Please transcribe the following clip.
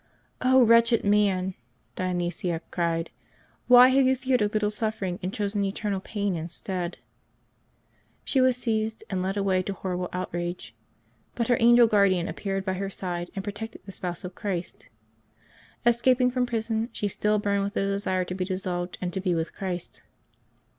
'^ wretched man !'' Dionysia cried, " why have you feared a little suffering and chosen eternal pain instead ?" She was seized and led away to horrible outrage, but her angel guardian appeared by her side and protected the spouse of Christ. Escaping from prison, she still burned with the desire to be dissolved and to be with Christ.